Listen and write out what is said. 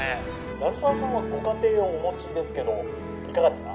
鳴沢さんはご家庭をお持ちですけどいかがですか？